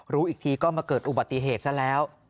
รู้อีกทีก็มาเกิดอุบัติเหตุซะแล้ว